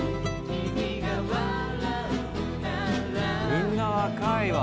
みんな若いわ。